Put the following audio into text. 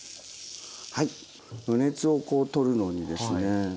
余熱をこう取るのにですね